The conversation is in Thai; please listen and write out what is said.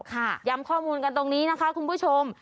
ย้ำข้อมูลกันตรงนี้นะคะคุณผู้ชม